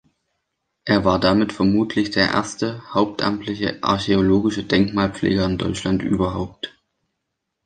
Er war damit vermutlich der erste hauptamtliche archäologische Denkmalpfleger in Deutschland überhaupt.